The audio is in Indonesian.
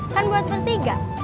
kan buat bertiga